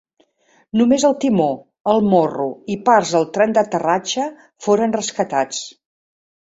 Només el timó, el morro, i parts del tren d'aterratge foren rescatats.